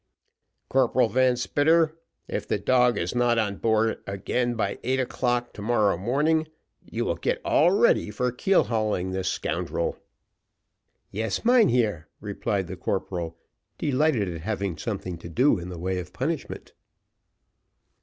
"Corporal Van Spitter, if the dog is not on board again by eight o'clock to morrow morning, you will get all ready for keel hauling this scoundrel." "Yes, mynheer," replied the corporal, delighted at having something to do in the way of punishment.